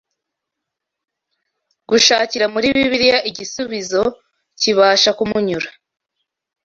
gushakira muri Bibiliya igisubizo kibasha kumunyura